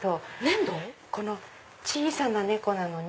小さな猫なのに。